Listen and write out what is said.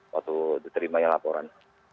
waktu diterimanya laporan